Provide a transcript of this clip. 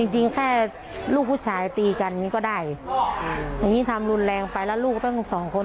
จริงแค่ลูกผู้ชายตีกันอย่างนี้ก็ได้อย่างนี้ทำรุนแรงไปแล้วลูกตั้งสองคน